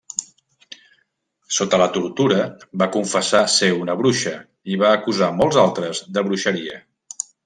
Sota la tortura, va confessar ser una bruixa i va acusar molts altres de bruixeria.